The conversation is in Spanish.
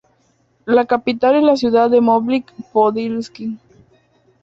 La capital es la ciudad de Mohyliv-Podilskyi.